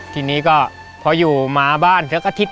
ทีนี้ก็พออยู่มาบ้าน